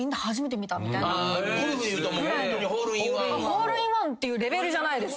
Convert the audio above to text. ホールインワンっていうレベルじゃないです。